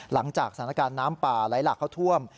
หลังจากสถานการณ์น้ำป่าไหลหลากเข้าท่วม